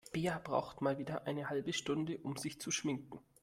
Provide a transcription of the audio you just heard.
Bea braucht mal wieder eine halbe Stunde, um sich zu schminken.